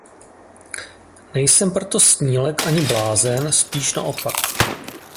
Nejsem proto snílek ani blázen, spíš naopak.